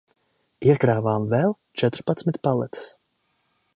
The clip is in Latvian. Iekrāvām vēl četrpadsmit paletes.